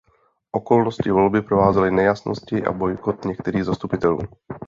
Okolnosti volby provázely nejasnosti a bojkot některých zastupitelů.